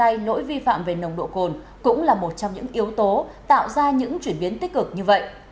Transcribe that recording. nói lỗi vi phạm về nồng độ cồn cũng là một trong những yếu tố tạo ra những chuyển biến tích cực như vậy